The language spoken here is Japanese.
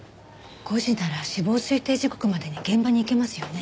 ５時なら死亡推定時刻までに現場に行けますよね。